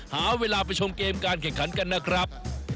หาเวลาไปชมเกมการแข่งขันกันนะครับ